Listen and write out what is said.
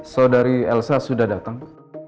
saudari elsa sudah datang